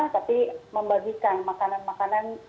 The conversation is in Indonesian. tapi membagikan makanan makanan